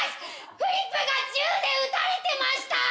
フリップが銃で撃たれてました！